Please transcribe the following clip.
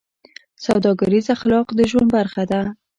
سوداګریز اخلاق د ژوند برخه ده.